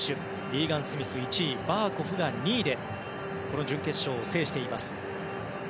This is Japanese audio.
リーガン・スミス、１位バーコフが２位でこの準決勝を制しています。